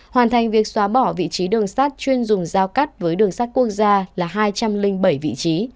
hoàn thành việc xóa bỏ vị trí đường sát chuyên dùng giao cắt với đường sắt quốc gia là hai trăm linh bảy vị trí